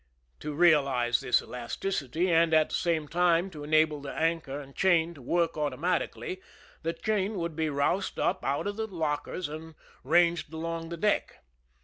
To realize this elasticity, and at the same time to enable the anchor and chain to work automatically, the chain would be roused up out of the lockers and ranged along the deck.